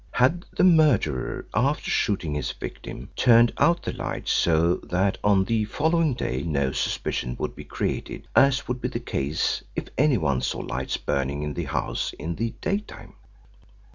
Had the murderer, after shooting his victim, turned out the lights so that on the following day no suspicion would be created as would be the case if anyone saw lights burning in the house in the day time?